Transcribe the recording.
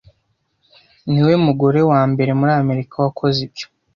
niwe mugore wambere muri Amerika wakoze ibyo